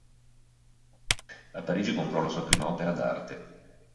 A Parigi comprò la sua prima opera d'arte.